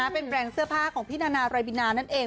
เป็นแบรนด์เสื้อผ้าของพี่นานารายบินานั่นเอง